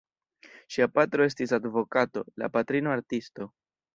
Ŝia patro estis advokato, la patrino artisto.